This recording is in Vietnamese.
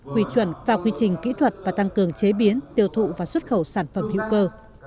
quy chuẩn và quy trình kỹ thuật và tăng cường chế biến tiêu thụ và xuất khẩu sản phẩm hữu cơ